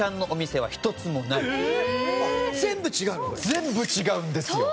全部違うんですよ。